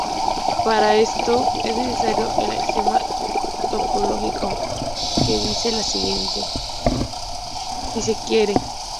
Para esto es necesario el Axioma topológico que dice lo siguiente, si se quiere.